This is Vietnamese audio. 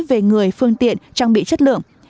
về người phương tiện trang bị chất lượng